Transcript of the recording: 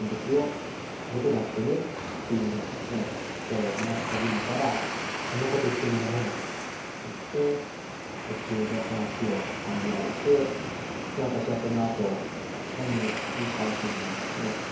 僕だってね」ってこう話し始めたら「そんなこと言ってるんじゃないのよ」っていって途中で話を遮られて私はそのあと何も言い返せずにですね